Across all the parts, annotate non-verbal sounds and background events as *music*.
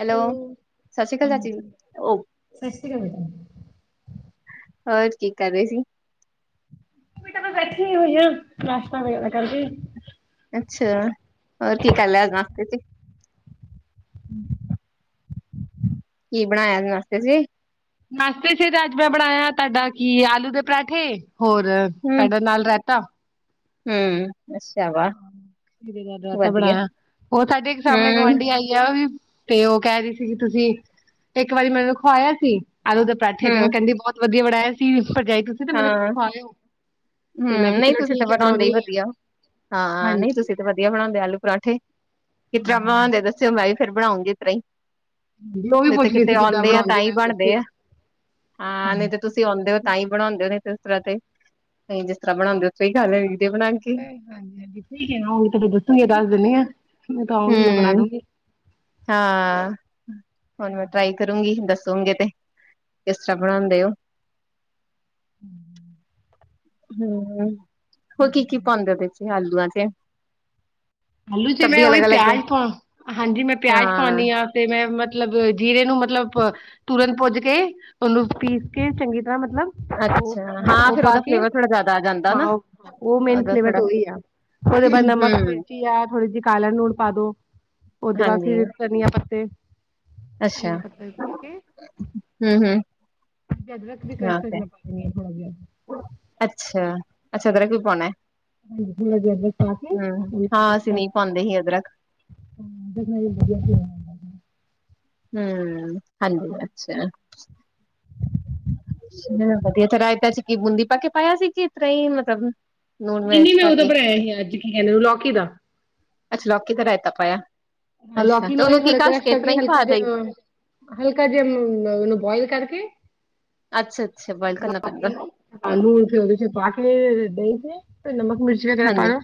Hello Sat Sri ਅਕਾਲ ਚਾਚੀ ਜੀ। ਹੋਰ ਕੀ ਕਰ ਰਹੇ ਸੀ। ਮੈਂ ਬੈਠੀ ਹੋਈ ਹ ਨਾਸ਼ਤਾ ਵਗੈਰਾ ਕਾਰਕੇ। ਅੱਛਾ ਹੋਰ ਕੀ ਕਰ ਲਿਆ ਨਾਸ਼ਤੇ ਚ ਹਮ। ਕੀ ਬਣਾਇਆ ਨਾਸ਼ਤੇ ਚ ਨਾਸ਼ਤੇ ਸਿਰ ਅੱਜ ਮੈਂ ਬਣਾਇਆ ਤੁਹਾਡਾ ਕੀ ਆਲੂ ਦੇ ਪਰਾਂਠੇ। ਹੋਰ ਤੁਹਾਡਾ ਨਾਲ ਰਹਿਤਾ। ਹਮ। ਖਿਰੇ ਦਾ ਰਾਇਤਾ ਵਧੀਆ। ਬਣਾਇਆ। ਉਹ ਸਾਡੇ ਇੱਕ ਸਾਹਮਣੇ ਹੂੰ, ਗੁਆਂਢੀ ਆਈਅ ਔ ਵੀ ਤੇ ਉਹ ਕਹਿ ਰਹੀ ਸੀਗੀ, ਤੁਸੀਂ ਇੱਕ ਵਾਰੀ ਮੈਨ ਉਹਨੂੰ ਖਵਾਇਆ ਸੀ ਆਲੂ ਦੇ ਪਰਠੇ ਤੇ ਉਹ ਹੂੰ ਕਹਿੰਦੀ ਬਹੁਤ ਵਧੀਆ। *inaudible* ਬੜਾਇਆ ਸੀ। ਭਰਜਾਈ ਤੁਸੀਂ ਤੇ ਮੈਨੂੰ ਹਾਂ ਖਵਾਇਓ ਤੇ ਮੈਂ ਹੂੰ ਕਿਹਾ ਨਹੀਂ ਚਲੋ ਤੁਸੀਂ ਤਾਂ ਠੀਕ ਹੈ, ਬਣਾਉਂਦੇ ਹੀ ਬਣਾਉਦੀ ਆ। ਵਧੀਆ। ਹਾਂ ਨਹੀਂ ਹਾਂਜੀ ਤੁਸੀਂ ਤੇ ਵਧੀਆ ਬਣਾਉਂਦੇ ਆਲੂ ਪਰੌਂਠੇ ਕਿਸ ਤਰ੍ਹਾਂ ਬਣਾਉਂਦੇ ਦੱਸਿਓ ਮੈਂ ਵੀ ਫਿਰ ਬਣਾਉਗੀ ਤੇ ਰਹੀ ਹਾਂਜੀ ਉਹ ਵੀ ਨਹੀਂ ਤਾਂ ਪੁੱਛ ਰਹੀ ਕਿਤੇ ਸੀ ਕਿੱਦਾਂ ਆਉਂਦੇ ਆ ਤਾਂ ਬਣਾਉਂਦੇ ਹੀ ਮੈਨੂੰ ਬਣਦੇ ਆ। ਦੱਸਿਓ ਹਾਂ ਨਹੀਂ ਤਾਂ ਤੁਸੀਂ ਆਉਂਦੇ ਹੋ ਤਾਂ ਹੀ ਬਣਾਉਦੇ ਦੇ ਉਸ ਤਰ੍ਹਾਂ ਤੇ ਅਸੀ ਜਿਸ ਤਰ੍ਹਾਂ ਬਣਾਉਂਦੇ ਉੱਥੋਂ ਹੀ ਖਾਲੇ। ਹਾਂਜੀ, ਹਾਂਜੀ ਠੀਕ ਆਉਂਗੀ ਤੁੂੰ ਦੱਸੂਗੀ ਦੱਸ ਦਿੰਨੀ ਆ ਮੈਂ ਤਾਂ ਆਊਗੀ ਮੈਂ ਬਣਾ ਹੂੰ ਦੂੰਗੀ। ਹਾਂ ਹੁਣ ਮੈਂ ਟਰਾਈ ਕਰੂੰਗੀ ਦੱਸ ਸੋਗੇ ਤੇ ਕਿਸ ਤਰ੍ਹਾਂ ਬਣਾਉਂਦੇ ਹੋ। ਹੂੰ। ਹੂੰ ਹੋਰ ਕੀ ਕੀ ਪਾਉਂਦੇ ਹੋ ਵਿੱਚ ਆਲੂਆਂ ਦੇ। ਆਲੂ, ਚ ਮੈਂ ਉਹੀ ਪਿਆਜ ਪਾ ਹਾਂਜੀ ਮੈਂ ਪਿਆਜ ਪਾਉਂਦੀ ਹਾਂ ਤੇ ਮੈਂ ਮਤਲਬ ਜੀਰੇ। ਇਹ ਨੂੰ ਮਤਲਬ ਤੁਰੰਤ ਪੁੱਜ ਕੇ ਉਹਨੂੰ ਪੀਸ ਕੇ ਚੰਗੀ ਤਰ੍ਹਾਂ। ਅੱਛਾ ਮਤਲਬ ਹਾਂ ਉਹ ਫੇਰ ਪਾ ਉਹਦਾ ਕੇ ਫਲੇਵਰ ਥੋੜਾ ਜਿਆਦਾ ਆ ਜਾਂਦਾ ਨਾ ਹਾਂ ਉਹ ਮੇਨ ਉਹਦਾ ਫਲੇਵਰ ਥੋੜਾ ਤਾਂ ਉਹੀ ਆ। ਉਹਦੇ ਬਾਅਦ ਨਮਕ, ਹਮ ਮਿਰਚੀ। ਆ ਥੋੜੀ ਜਿਹੀ ਕਾਲਾ ਲੂਣ ਪਾ ਦੋ ਉਹਦੇ ਬਾਅਦ ਹਾਂਜੀ ਫੇਰ ਧਨੀਆ ਪੱਤੇ। ਅੱਛਾ ਧਨੀਆ ਪੱਤੇ ਨੂੰ ਪਾਕੇ। ਹਮ ਹਮ ਵਿੱਚ ਅਦਰਕ ਦੀ ਹਾਂ ਕ੍ਰਸ਼ ਤੇ ਧਨੀਆ ਪਾ ਦੇਣਾ ਥੋੜਾ ਜਿਹਾ। ਅੱਛਾ ਅੱਛਾ ਅਦਰਕ ਵੀ ਪਾਉਣਾ ਹੈ। ਵਿੱਚ ਜੀਰਾ ਜੁਰਾ ਪਾ ਕੇ ਹਮ ਉਹਨੂੰ ਕਰਸ ਹਾਂ ਅਸੀਂ ਨਹੀਂ ਪਾਉਂਦੇ ਸੀ ਅਦਰਕ ਕਰਦੋ। ਹਾਂ ਵਧੀਆ ਜੀ ਵਧੀਆ ਤੁਸੀਂ ਸੁਣਾਓ। ਹੂੰ ਹਾਂਜੀ ਅੱਛਾ। ਨਹੀ ਵਧੀਆ ਤੇ ਰਾਇਤਾ 'ਚ ਕਿ ਬੂੰਦੀ ਪਾ ਕੇ ਪਾਇਆ ਸੀ ਕਿ ਇਸ ਤਰ੍ਹਾਂ ਹੀ ਮਤਲਬ। ਲੂਣ ਨਹੀਂ ਨਹੀਂ ਮਿਰਚ ਮੈਂ ਪਾ ਉਹਦਾ ਕੇ ਬਣਾਇਆ ਸੀ ਅੱਜ ਕੀ ਕਹਿੰਦੇ ਉਹਨੂੰ ਲੌਕੀ ਦਾ। ਅੱਛਾ ਲੌਕੀ ਦਾ ਰਾਇਤਾ ਪਾਇਆ। ਹਾਂ ਅੱਛਾ ਲੌਕੀ ਤੇ ਨੂੰ ਵੀ ਉਹਨੂੰ ਕੀ ਥੋੜਾ ਘਸ ਕਰੈਸ਼ ਕੇ ਇਸ ਕਰਕੇ ਤਰ੍ਹਾਂ ਹੀ ਹਲਕਾ ਪਾ ਦਈ ਜਿਹਾ ਅਹ। ਹਲਕਾ ਜਿਹਾ ਉਹਨੂੰ ਬੁਆਇਲ ਕਰਕੇ। ਅੱਛਾ ਅੱਛਾ ਬੋਇਲ ਕਰਨਾ ਬਣਾ ਪੈਂਦਾ ਕੇ ਨਾ ਆਲੂ ਉਹ 'ਚ ਨਾ ਕੇ ਨਾ ਦਹੀਂ 'ਚ। ਉਸ 'ਚ ਨਮਕ, ਮਿਰਚ ਵਗੈਰਾ ਪਾ ਹਾਂਜੀ ਲੋ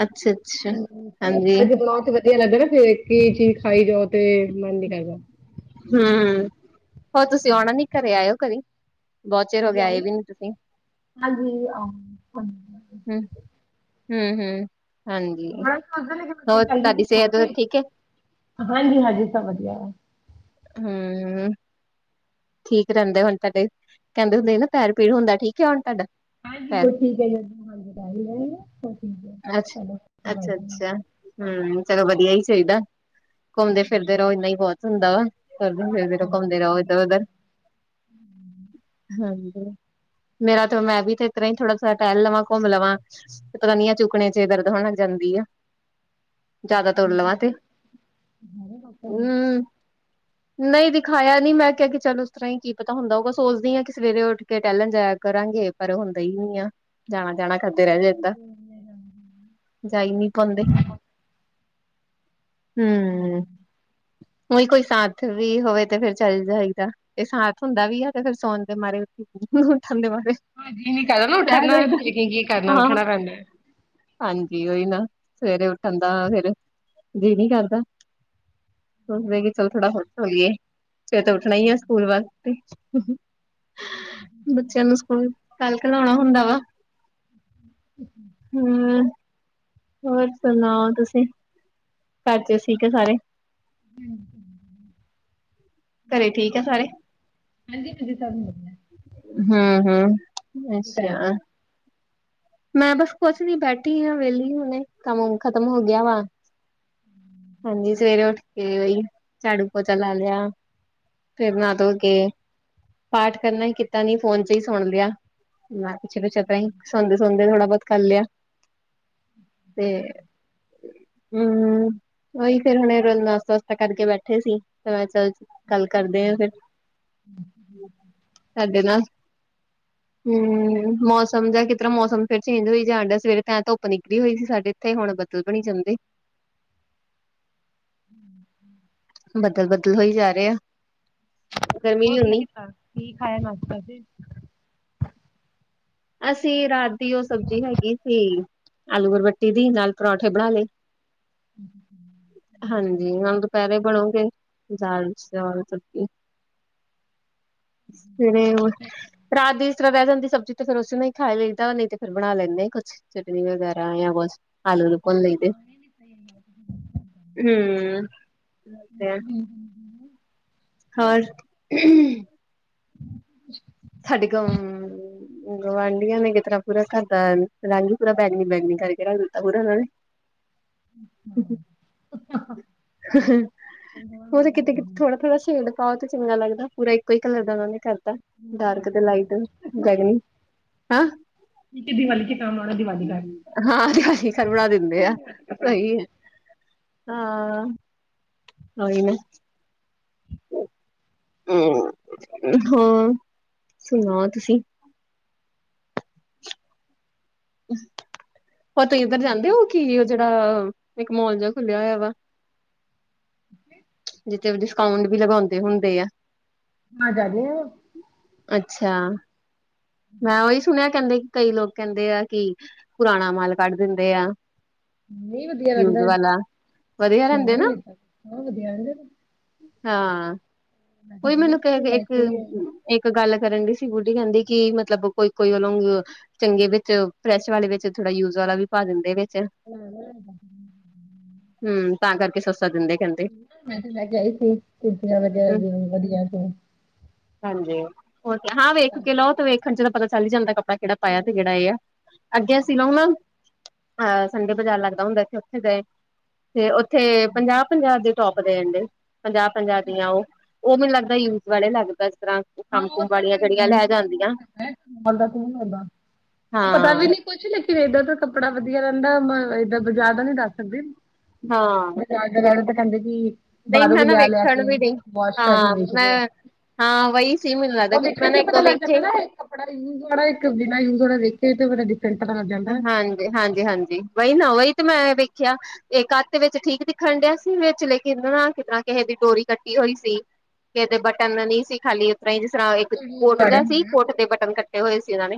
ਅੱਛਾ-ਅੱਛਾ, ਹੂੰ ਇਸ ਹਾਂਜੀ ਕਰਕੇ ਬਣਾਉ ਕਿ ਫੇਰ। ਵਧੀਆ ਲੱਗਦਾ ਨਾ ਫਿਰ ਇੱਕ ਚੀਜ਼ ਖਾਈ ਜਾਓ ਤੇ ਮਨ ਨੀ ਕਰਦਾ। ਹੂੰ ਹੋਰ ਤੁਸੀਂ ਆਉਣਾ ਨੀ ਘਰੇ ਆਇਓ ਘਰੇ। ਬਹੁਤ ਚਿਰ ਹੋ ਗਿਆ ਆਏ ਵੀ ਨੀ ਤੁਸੀਂ ਹੂੰ। ਹੂੰ ਹੂੰ ਹਾਂਜੀ। ਹੋਰ ਤੁਹਾਡੀ ਸਿਹਤ ਠੀਕ ਹੈ ਹਾਂਜੀ ਹਾਂਜੀ ਸਭ ਵਧੀਆ। ਹੂੰ। ਠੀਕ ਰਹਿੰਦੇ ਹੁਣ ਤੁਹਾਡੇ ਕਹਿੰਦੇ ਹੁੰਦੇ ਨਾ ਪੈਰ ਪੀੜ ਹੁੰਦਾ ਠੀਕ ਹੈ ਹੁਣ ਤੁਹਾਡਾ। ਹਾਂਜੀ ਪੈਰ ਹੁਣ ਠੀਕ ਹੈ ਜੀ। ਦਵਾਈ ਲੈਣੀ ਆ ਹੁਣ ਠੀਕ ਹੈ ਅੱਛਾ, ਚਲੋ ਵਾਹਿਗੁਰੂ ਨੇ। ਅੱਛਾ-ਅੱਛਾ। ਹੂੰ ਚਲੋ ਵਧੀਆ ਹੀ ਚਾਹੀਦਾ ਘੁੰਮਦੇ ਫਿਰਦੇ ਰਹੋ ਇੰਨਾ ਹੀ ਬਹੁਤ ਹੁੰਦਾ ਵਾ। ਤੁਰਦੇ ਫਿਰਦੇ ਰਹੋ ਘੁੰਮਦੇ ਰਹੋ ਇੱਧਰ ਉੱਧਰ। ਹੂੰ। ਹਾਂਜੀ। ਮੇਰਾ ਤਾਂ ਹੁਣ ਮੈਂ ਵੀ ਤੇ ਇਸ ਤਰ੍ਹਾਂ ਥੋੜਾ ਥੋੜਾ ਟਹਿਲ ਲਵਾਂ ਘੁੰਮ ਲਵਾਂ ਪਤਾ ਨਹੀਂ ਆ ਚੁੱਕਨੇ 'ਚ ਦਰਦ ਹੋਣ ਲੱਗ ਜਾਂਦਾ। ਹੁੰਦੀ ਹੈ। ਜ਼ਿਆਦਾ ਤੁਰ ਲਵਾਂ ਤੇ ਹੂੰ। ਨਹੀਂ ਦਿਖਾਇਆ ਨਹੀਂ ਮੈਂ ਕਿਹਾ ਕਿ ਚਲੋ। ਇਸ ਤਰ੍ਹਾਂ ਹੀ ਕੀ ਪਤਾ ਹੁੰਦਾ ਹੋਉ ਗਾ ਸੋਚਦੀ ਆ ਕਿ ਸਵੇਰੇ ਉੱਠ ਕੇ ਟਹਿਲਣ ਜਾਇਆ ਕਰਾਂਗੇ ਪਰ ਹੁੰਦਾ ਹੀ ਨਹੀਂ ਆ ਜਾਣਾ ਜਾਣਾ। ਕਰਦੇ ਰਹਿ ਜਾਈਦਾ ਜਾਈ ਨਹੀਂ ਪਾਉਂਦੇ। ਹਮ ਹੂੰ। ਉਹੀ ਕੋਈ ਸਾਥ ਵੀ ਹੋਵੇ ਤੇ ਫੇਰ ਚੱਲ ਜਾਏਗਾ। ਤੇ ਸਾਥ ਹੁੰਦਾ ਵੀ ਆ ਤੇ ਫਿਰ ਸੌਣ ਦੇ ਮਾਰੇ ਉੱਥੇ। ਉੱਠਣ ਦੇ ਮਾਰੇ ਜੀ ਨਹੀਂ ਕਰਦਾ ਨਾ ਰਹਿ ਉੱਠਣਾ ਜਾਈਦਾ ਲੇਕਿਨ ਕੀ ਕਰਨਾ ਹਾਂ। ਉੱਠਣਾ ਪੈਂਦਾ ਹੈ। ਹਾਂਜੀ ਉਹੀ ਨਾ ਸਵੇਰੇ ਉੱਠਣ ਦਾ ਫੇਰ ਜੀਅ ਨੀ ਕਰਦਾ। ਸੋਚਦੇ ਕਿ ਚਲ ਥੋੜਾ ਹੋਰ ਸੌਈਏ ਫਿਰ ਤਾਂ ਉੱਠਣਾ ਹੀ ਹੈ। ਹੂੰ। ਹੂੰ। ਕੱਲ ਕਲਾਉਣਾ ਹੁੰਦਾ ਵਾ ਹੂੰ। ਹੋਰ ਸੁਣਾਓ ਤੁਸੀਂ ਘਰ 'ਚ ਠੀਕ ਹੈ ਸਾਰੇ। ਹੂੰ। ਘਰੇ ਠੀਕ ਹੈ ਸਾਰੇ ਹਾਂਜੀ ਹਾਂਜੀ ਸਭ ਵਧੀਆ। ਹੂੰ, ਹੂੰ ਅੱਸ਼ਾ- ਮੈ ਬਸ ਕੋਛ ਨੀ ਬੈਠੀ ਆਂ ਵੇਲੀ ਹੁਨੇ ਕੰਮ ਮੁਮ ਖਤਮ ਹੋ ਗੇਆ ਵਾ ਹਾਂਜੀ, ਸਵੇਰੇ ਓਠ ਕੇ *inaudible* ਝਾੜੂ ਪੌਚਾ ਲਾ ਲਿਆ ਫੇਰ ਨਾ ਤੋ ਕੇ ਪਾਠ ਕਰਨਾ ਹੀ ਕਿ ਕੀਤਾ ਨੀ ਫੋਨ ਚ ਈ ਸੁਣ ਲਿਆ ਮੈਂ ਪਿੱਛੇ ਪਿੱਛੇ ਤਾਂ ਸੁਣ ਹੁਤੇ ਥੋੜਾ ਬਹੁਤ ਕਰ ਲਿਆ ਤੇ ਹੂੰ ਹੂੰ ਓਹੀ ਫੇਰ ਹੁਣੇ ਰੋ ਨਾਸਤਾ ਵਸਤਾ ਕਰਕੇ ਬੈਠੇ ਸੀ ਤੇ ਮੈਂ ਚਲ ਗੱਲ ਕਰਦੇ ਅ ਫਿਰ ਤਾਡੇ ਨਾਂ ਹੂੰ ਮੌਸਮ ਦਾ ਕਿ ਜ ਤਰ੍ਹਾਂ ਮੌਸਮ ਫਿਰ ਚੇਂਜ ਹੋਈ ਜਾਨਂਡੇ ਸਵੇਰੇ ਤਾਂ ਧੁੱਪ ਨਿਕਲੀ ਹੋਈ ਸੀ ਸਾਡੇ ਇੱਥੇ ਹੁਨ ਬਦਲ ਬਨੀ ਜਾਂਦੇ *inaudible* ਹਮ ਹਮ *inaudible* ਕਤਲ ਹੋਈ ਜਾ ਰੇਆ ਹੋਰ ਕੀ ਕੀਤਾ ਕੀ ਖਾਇਆ ਨਾਸ਼ਤਾ ਚ ਅਸੀਂ ਰਾਤ ਦੀ ਓ ਸਬਜ਼ੀ ਹੈਗੀ ਸੀ ਆਲੂ ਬੁਰਬੱਟੀ ਦੀ ਨਾਲ ਪਰੌਂਠੇ ਬਨਾ ਲੇ ਹ *inaudible* ਜਾਣ ਚ ਤੁ ਕੀ *unintelligible* ਸਵੇਰੇ, ਰਾਤ ਦੀ ਤਰ੍ਹਾਂ ਰਹਿ ਜਾਂਦੀ ਸਬਜ਼ੀ ਤੇ ਫੇਰ ਓਸੀ ਨੂੰ ਹੀ ਖਾ ਲਿਦਾ ਨਹੀਂ ਤੇ ਫਿਰ ਬਨਾ ਲੈਂਦੇ ਕੁਛ ਚਟਨੀ ਵਗੈਰਾ ਜਾਂ ਕੁਛ ਆਲੂ ਨੂੰ ਭੁੰਨ ਲਈਦੇ *unintelligible* ਹੂੰ *inaudible* *inaudible* *inaudible* ਸਾਡੇ ਗ ਗੁਵਆਂਢੀਆਂ ਨੇ ਕਿ ਤਰ੍ਹਾਂ ਪੂਰਾ ਘਰ ਦਾ ਲਾਂਝ ਪੂਰਾ ਬੈ ਨ ਪੈਂਦੀ *unintelligible* *inaudible* ਉਹ ਤਾਂ ਕਿਤੇ ਕਿਤੇ ਥੋੜਾ ਥੋੜਾ ਸ਼ੇਡ *unintelligible* ਬਹੁਤ ਚੰਗਾ ਲੱਗਦਾ ਪੂਰਾ ਇੱਕੋ ਈ ਕਲਰ ਦਾ ਉਨਾਂ ਨੇ ਕਰਤਾ ਡਾਰਕ ਤੇ ਲਾਈਟ ਬੈਗਂਨੀ ਹੈਂ। ਦੀਵਾਲੀ ਕੇ ਕੰਮ ਆਉਣਾ ਦੀਵਾਲੀ ਕਰ ਹਾਂ ਤੇ ਖਰ ਬਣਾ ਦਿੰਦੇ ਆ ਕੱਪੜਾ ਸਹੀ ਹੈ। ਹਾਂ ਉਈ ਨੇ ਹਾਂ ਸੁਣਾਓ ਤੁਸੀ ਓ ਤੁਸੀਂ ਇੱਧਰ ਜਾਂਦੇ ਹੋ ਕੀ ਓ ਦਾ ਇੱਕ ਮੋਲ ਜਾ ਖੁੱਲਿਆ ਹੋਆ ਵਾ ਡਿਸਕਾਊਂਟ ਵੀ ਲਗਾਉਂਦੇ ਹੁੰਦੇ ਆ *inaudible* ਅੱਛਾ ਮੈਂ ਓਈ ਸੁਣਿਆ ਕਹਿੰਦੇ ਕਈ ਲੋਕ ਕਹਿੰਦੇ ਆ ਕਿ ਪੁਰਾਣਾ ਮਾਲ ਕੱਢ ਦੇਂਦੇ ਆ ਨਹੀਂ ਵਧੀਆ ਯੂਜ ਰਹਿੰਦਾ ਵਾਲਾ ਵਧੀਆ ਰਹਿੰਦੇ ਨਾ ਏਦਾਂ ਵਧੀਆ ਰਹਿੰਦੇ *unintelligible* ਹਾਂ ਕੋਈ ਮੈਨੂੰ ਕਹੇ ਕੇ ਇੱਕ ਇੱਕ ਗੱਲ ਕਰਨ ਦੀ ਸੀ ਬੂਟੀ ਕਹਿੰਦੀ ਕਿ ਮਤਲਬ ਕੋਈ ਕੋਈ ਵੱਲੋਂ ਚੰਗੇ ਵਿੱਚ ਫਰੈਸ਼ ਵਾਲੇ ਵਿੱਚ ਥੋੜਾ ਯੂਜ ਵਾਲਾ ਵੀ ਪਾ ਦਿੰਦੇ ਨੇ *inaudible* ਹਮ ਤਾਂ ਕਰਕੇ ਸਸ ਮੈਂ ਤੇ ਮੈ ਕਿਹਾਈ ਸੀ ਸਬਜ਼ੀਆਂ ਵਗੈਰਾ ਹਮ ਵਧੀਆ ਸੀ *unintelligible* ਹਾਂਜੀ ਹਾਂ ਵੇਖ ਕੇ ਲਓ ਤੇ ਵੇਖਣ ਚ ਤਾਂ ਪਤਾ ਚੱਲ ਹੀ ਜਾਂਦਾ ਕੱਪੜਾ ਕਿਹੜਾ ਪਾਇਆ ਤੇ ਕਿਹੜਾ ਇਹ ਆ ਅੱਗੇ ਅਸੀਂ ਲਓ ਨਾ ਐ ਸੰਡੇ ਬਾਜ਼ਾਰ ਲੱਗਦਾ ਹੁੰਦਾ ਇੱਥੇ ਉੱਥੇ ਗਏ ਤੇ ਉੱਥੇ ਪੰਜਾਹ ਪੰਜਾਹ ਦੇ ਸੋਪ ਦੇਡੇੰ ਪੰਜਾਹ ਪੰਜਾਹ ਦੀਆਂ ਉਹ ਉਹ ਮੈਨੂੰ ਲੱਗਦਾ ਯੂਜ ਵਾਲੇ ਲੱਗਦਾ ਤਰ੍ਹਾਂ ਹਾਂ ਕੰਮ ਉਹ ਕੁਮ ਤਾਂ ਹੈ ਵਾਲੀਆਂ ਜਿਹੜੀਆਂ ਨਾਂ ਲੈ ਜਾਂਦੀਆਂ ਤਾਂ ਪਤਾ ਹਾਂ ਵੀ ਨਹੀਂ ਕੁਛ ਲੇਕਿਨ ਇੱਧਰ ਕੱਪੜਾ ਵਧੀਆ ਰਹਿੰਦਾ ਮੈਂ ਏਦਾਂ ਬਜ਼ਾਰ ਦਾ ਨੀ ਦੱਸ ਸਕਦੀ। ਹਾਂ ਕਹਿੰਦੇ ਕਿ ਨਹੀਂ ਬਾਹਰੋ ਵੀ ਮੈਂ ਨਾ ਲਿਆ ਲੈ ਵੇਖਣ ਕੇ ਵੀ ਨਹੀਂ ਵਾਸ਼ ਕਰਕੇ ਹਾਂ ਵੇਚਦੇ ਆ। ਮੈਂ ਹਾਂ ਵਹੀ ਸੀ ਮੈਨੂੰ ਲੱਗਦਾ ਉਹ ਕਿਉਂਕਿ ਵੇਖਣ ਮੈਂ ਨਾ ਕੀ ਇੱਕ ਪਤਾ ਦੋ ਲੱਗ ਜਾਂਦਾ ਵੇਖੇ ਨਾ ਇੱਕ ਕੱਪੜਾ ਯੂਜ ਵਾਲਾ ਇੱਕ ਬਿਨਾ ਯੂਜ ਵਾਲਾ ਦੇਖ ਤੇ ਡਿਫਰੈਂਟ ਪਤਾ ਲੱਗ ਜਾਂਦਾ ਹੈ। ਹਾਂਜੀ, ਹਾਂਜੀ, ਹਾਂਜੀ ਵਹੀ ਨਾ ਵਹੀ ਤੇ ਮੈਂ ਵੇਖਿਆ ਇਹ ਕੱਤ ਵਿੱਚ ਠੀਕ ਦਿਖਣ ਡਿਆ ਸੀ ਵਿਚ ਲੇਕਿਨ ਨਾ ਕਿ ਕਿਸੇ ਦੀ ਡੋਰੀ ਕੱਟੀ ਹੋਈ ਸੀ ਕਿਤੇ ਬਟਨ ਨਹੀਂ ਸੀ ਖਾਲੀ ਤਰ੍ਹਾਂ ਜਿਸ ਤਰ੍ਹਾਂ ਇੱਕ ਕੋਟ ਦਾ ਸੀ ਕੋਟ ਦੇ ਬਟਨ ਕੱਟੇ ਹੋਏ ਸੀ ਉਹਨਾਂ ਨੇ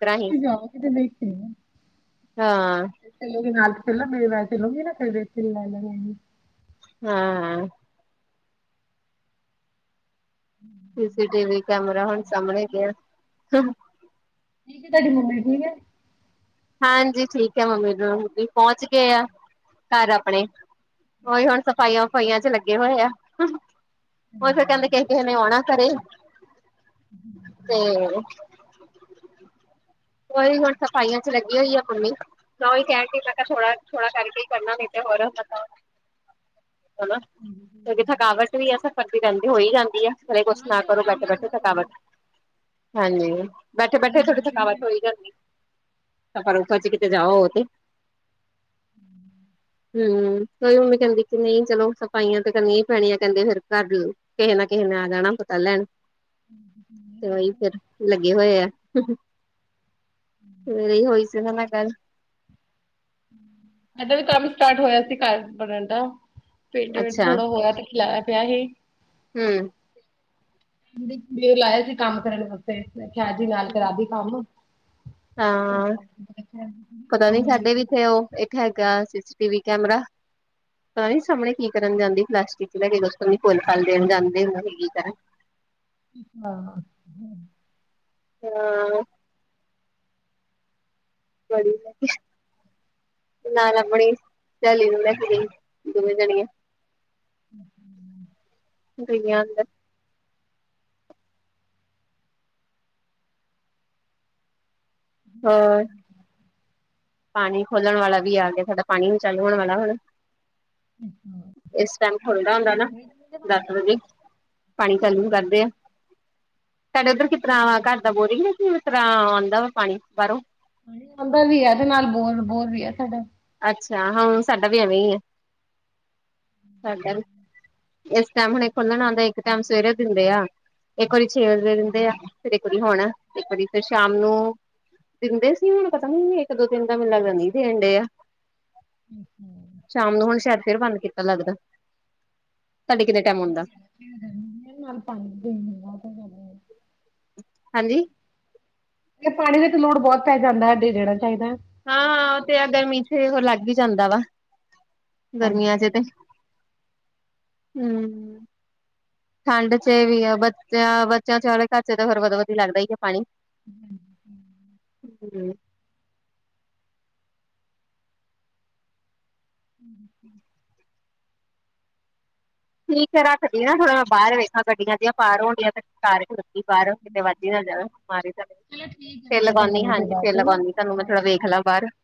ਤਰ੍ਹਾਂ ਹੀ ਤੁਸੀਂ ਜਾਓ ਕਿਤੇ ਰੇਟ ਸੇਮ ਹਾਂ ਨਾਲ ਚਹਿਲਾਂ ਮੇਰੀ ਵੈਸੇ ਲੂੰਗੀ ਨਾ ਕ ਵ ਲੈ ਲਵਗੀ ਹਾਂ। ਸੀਸੀਟੀਵੀ ਕੈਮਰਾ ਹੁਣ ਸਾਹਮਣੇ ਗਿਆ ਠੀਕ ਤੁਹਾਡੀ ਮੰਮੀ ਠੀਕ ਹੈ। ਹਾਂਜੀ ਠੀਕ ਹੈ ਮੰਮੀ ਨੂੰ ਪਹੁੰਚ ਗਏ ਆ ਘਰ ਆਪਣੇ ਉਹੀ ਹੁਣ ਸਫ਼ਾਈਆਂ ਵਫਾਈਆਂ ਚ ਲੱਗੇ ਹੋਏ ਆ। ਉਹ ਫਿਰ ਕਹਿੰਦੇ ਕਿਸ ਕਿਸੇ ਨੇ ਆਉਣਾ ਘਰੇ ਤੇ *inaudible* ਉਹੀ ਹੁਣ ਸਫ਼ਾਈਆਂ ਚ ਲੱਗੀ ਹੋਈ ਆ ਮੰਮੀ ਮੈਂ ਉਹੀ ਕਹਿਣ ਮੈਂ ਕਿਹਾ ਥੋੜਾ ਥੋੜਾ ਕਰਕੇ ਹੀ ਕਰਨਾ ਫੇ ਥੋੜਾ ਬਹੁਤਾ ਹਨਾ ਕਿਉਂਕਿ ਥਕਾਵਟ ਵੀ ਆ ਸਫਰ ਦੀ ਰਹਿੰਦੀ ਹੋਈ ਜਾਂਦੀ ਆ ਘਰੇ ਕੁਛ ਨਾ ਕਰੋ ਬੈਠੇ ਬੈਠੇ ਥਕਾਵਟ ਹਾਂਜੀ ਬੈਠੇ ਬੈਠੇ ਤੁਹਾਡੀ ਥਕਾਵਟ ਕੋਈ ਗੱਲ ਨਹੀਂ ਤਾਂ ਪਰਮ ਪ ਚ ਕਿਤੇੇ ਜਾਵ ਹੋ ਤੇ *inaudible* ਹਮ ਕੋਈ ਮੰਮੀ ਕਹਿੰਦੀ ਕਿ ਨਹੀਂ ਚਲੋ ਸਫਾਈਆਂ ਤੇ ਕਰਨੀਆਂ ਹੀ ਪੈਣੀਆਂ ਕਹਿੰਦੇ ਫਿਰ ਘਰ ਕਿਸੇ ਨਾ ਕਿਸੇ ਨਾਲ ਆ ਜਾਣਾ ਪਤਾ ਲੈਣ ਤੇ ਉਹੀ ਫੇਰ ਲੱਗੇ ਹੋਏ ਆ ਗਈ ਹੋਈ ਸੀ ਨਾ ਮੈਂ ਕੱਲ ਏਦਾਂ ਵੀ ਕੰਮ ਸਟਾਰਟ ਹੋਇਆ ਸੀ ਘਰ ਬਣਨ ਦਾ ਪਿੰਡ ਪਿੰਡ ਥੋੜਾ ਹੋਇਆ ਤੇ ਖਿਲਾਇਆ ਪਿਆ ਹੀ ਹਮ ਰ ਲਾਇਆ ਸੀ ਕੰਮ ਕਰਨ ਵਾਸਤੇ ਮੈਂ ਕਿਹਾ ਜੀ ਨਾਲ ਕਰਾ ਦੀ ਕੰਮ ਹਾਂ ਪਤਾ ਨੀ ਸਾਡੇ ਵੀ ਇਥੇ ਉਹ ਇੱਕ ਹੈਗਾ ਸੀਸੀ ਟੀਵੀ ਕੈਮਰਾ ਤਾਂ ਨੀ ਸਾਹਮਣੇ ਕੀ ਕਰਨ ਜਾਂਦੀ ਪਲਾਸਟਿਕ ਦੇ ਫੁੱਲ ਫੱਲ ਦੇਣ ਜਾਂਦੇ ਉਹ ਕੀ ਕਰਾਂ ਹਾਂ ਹਾਂ ਬੜੀ ਨਾ ਨਾ ਬਣੀ ਸਹੇਲੀ ਨੂੰ ਲੈ ਕੇ ਗਈ ਸੀ ਦੋਵੇਂ ਜਣੀਆਂ *inaudible* ਬਿਨੰਦ *unintelligible* ਹੋਰ *inaudible* ਪਾਣੀ ਖੋਲਣ ਵਾਲਾ ਵੀ ਆ ਗਿਆ ਸਾਡਾ ਪਾਣੀ ਨ ਚਾਲੂ ਹੋਣ ਵਾਲਾ ਹੁਣ ਇਸ ਟਾਈਮ ਖੁੱਲਦਾ ਹੁੰਦਾ ਨਾ ਦਸ ਵਜੇ ਪਾਣੀ ਚਾਲੂ ਕਰਦੇ ਆ ਸਾਡੇ ਉੱਧਰ ਕਿਸ ਤਰ੍ਹਾਂ ਘਰ ਦਾ ਬੋਰ ਨਾ ਤਰ੍ਹਾਂ ਆਉਂਦਾ ਵਾ ਪਾਣੀ ਬਾਹਰੋਂ ਹ ਆਦਾ ਵੀ ਆ ਤੇ ਨਾਲ ਬੋਰ ਬੋਰ ਵੀ ਆ ਸਾਡਾ ਅੱਛਾ ਹਾਂ ਸਾਡਾ ਵੀ ਐਵੇਂ ਹੀ ਆ ਸਾਡਾ ਵੀ ਇਸ ਟਾਈਮ ਹੁਣੇ ਖੁੱਲਣ ਆਉਂਦਾ ਇੱਕ ਟਾਈਮ ਸਵੇਰੇ ਦਿੰਦੇ ਆ ਇੱਕ ਵਾਰੀ ਛੇ ਵਜੇ ਦਿੰਦੇ ਆ ਫਿਰ ਇੱਕ ਵਾਰੀ ਹੋਣਾ ਇੱਕ ਵਾਰੀ ਫਿਰ ਸ਼ਾਮ ਨੂੰ ਦਿੰਦੇ ਸੀ ਮੈਨੂੰ ਪਤਾ ਨੀ ਇੱਕ ਦੋ ਦਿਨ ਦਾ ਮੈਨੂੰ ਲੱਗਦਾ ਨਹੀਂ ਸੀ ਦੇਣ ਡੇ ਆ ਸ਼ਾਮ ਨੂੰ ਹੁਣ ਸ਼ਾਇਦ ਫਿਰ ਬੰਦ ਕੀਤਾ ਲੱਗਦਾ। ਸਾਡੇ ਕਿੰਨੇ ਟਾਈਮ ਹੁੰਦਾ। ਨਾਲ ਪਾਣੀ ਦੇਦੇ *inaudible* ਹਾਂਜੀ ਪਾਣੀ ਦੇ ਵਿੱਚ ਲੋੜ ਬਹੁਤ ਪੈ ਜਾਂਦਾ *unintelligible* ਸਾਡੇ ਜਿਹੜਾ ਹਾਂ -ਹਾਂ ਉਹ ਤੇ ਆ ਗਰਮੀ 'ਚ ਲੱਗ ਹੀ ਜਾਂਦਾ ਵਾ ਗਰਮੀਆਂ 'ਚ ਤੇ ਹੂੰ। ਠੰਡ 'ਚ ਵੀ ਆ ਬੱਚਿਆਂ ਬੱਚਿਆਂ ਘਰ ਚੇ ਤਾਂ ਫਿਰ ਬਦੋ ਬਦੀ ਲੱਗਦਾ ਹੀ ਹੈ ਪਾਣੀ ਹੂੰ ਠੀਕ ਹੈ ਰੱਖਦੀ ਨਾ ਥੋੜਾ ਮੈਂ ਬਾਹਰ ਵੇਖਾਂ ਗੱਡੀਆਂ ਦੀਆਂ ਪਾਰ ਹੋਣ ਡੀਆ *unintelligible* ਬਾਹਰੋਂ ਕਿਤੇ ਵੱਜ ਹੀ ਨਾ ਜਾਵੇ ਮਾਰੀ ਫਿਰ ਲਗਾਉਂਦੀ ਹਾਂਜੀ ਫਿਰ ਲਗਾਉਂਦੀ ਤੁਹਾਨੂੰ ਮੈਂ ਥੋੜਾ ਵੇਖ ਲਾਂ ਬਾਹਰ *inaudible*